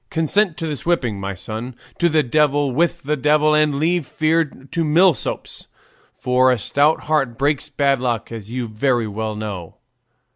Consent to this whipping, my son; to the devil with the devil, and leave fear to milksops, for 'a stout heart breaks bad luck,' as you very well know."